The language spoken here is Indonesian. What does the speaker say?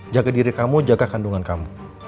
jaga diri kamu jaga kandungan kamu